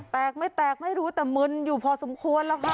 แตกไม่แตกไม่รู้แต่มึนอยู่พอสมควรแล้วค่ะ